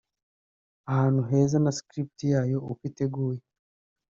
ahantu heza na script yayo(uko iteguye)